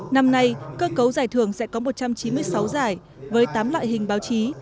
năm nay cơ cấu giải thưởng sẽ có một trăm chín mươi sáu giải với tám loại hình báo chí